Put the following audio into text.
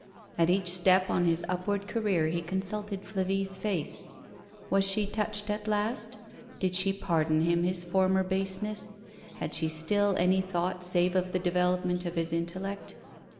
At each step on his upward career he consulted Flavie's face. Was she touched at TREACHERY. 97 last? Did she pardon him his former baseness ? Ilad she still any thought save of the development of liis intellect?